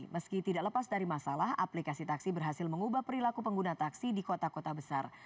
meski tidak lepas dari masalah aplikasi taksi berhasil mengubah perilaku pengguna taksi di kota kota besar